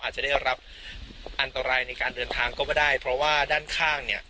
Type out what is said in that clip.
อาจจะได้รับอันตรายในการเดินทางก็ไม่ได้เพราะว่าด้านข้างเนี่ย